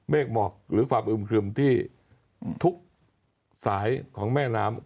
หมอกหรือความอึมครึมที่ทุกสายของแม่น้ำ